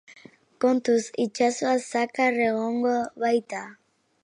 Kontuz itsasoa, zakar egongo baita.